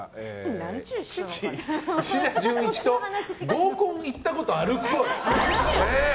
父・石田純一と合コン行ったことあるっぽい。